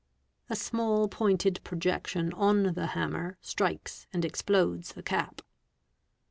A small pointed "projection on the hammer strikes and explodes the cap.